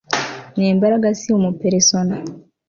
Ni imbaraga si umuperisona